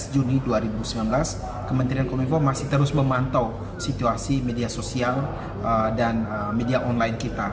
dua belas juni dua ribu sembilan belas kementerian kominfo masih terus memantau situasi media sosial dan media online kita